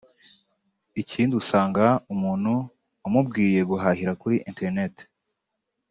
Ikindi usanga umuntu umubwiye guhahira kuri internet